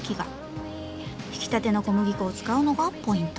ひきたての小麦粉を使うのがポイント。